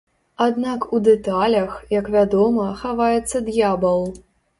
Аднак у дэталях, як вядома, хаваецца д'ябал.